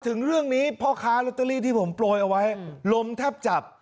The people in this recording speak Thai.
ถึงเรื่องนี้พ่อค้าลอตเตอรี่ที่ผมโปรยเอาไว้ลมแทบจับ